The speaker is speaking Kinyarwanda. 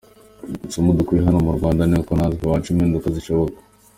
Isomo dukuye hano mu Rwanda ni uko natwe iwacu impinduka zishoboka.